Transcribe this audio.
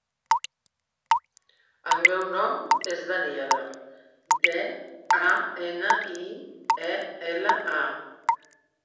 El meu nom és Daniela: de, a, ena, i, e, ela, a.